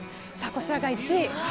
こちらが１位。